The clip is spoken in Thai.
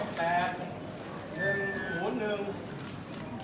ชวัง